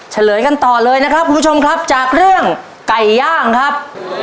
เฉลยกันต่อเลยนะครับคุณผู้ชมครับจากเรื่องไก่ย่างครับ